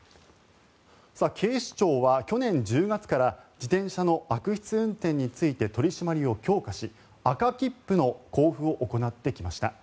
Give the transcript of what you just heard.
警視庁は去年１０月から自転車の悪質運転について取り締まりを強化し赤切符の交付を行ってきました。